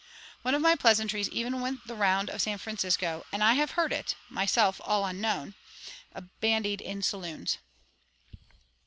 One of my pleasantries even went the round of San Francisco, and I have heard it (myself all unknown) bandied in saloons.